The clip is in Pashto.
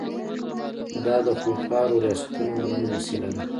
دا د خونخوارو ریاستونو مهمه وسیله ده.